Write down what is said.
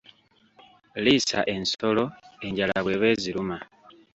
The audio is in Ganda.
Liisa ensolo enjala bw'eba eziruma.